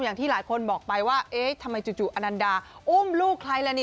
อย่างที่หลายคนบอกไปว่าเอ๊ะทำไมจู่อนันดาอุ้มลูกใครล่ะนี่